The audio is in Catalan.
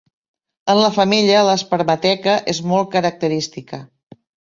En la femella, l'espermateca és molt característica.